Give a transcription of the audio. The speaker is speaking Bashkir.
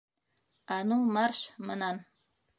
А ну марш мынан!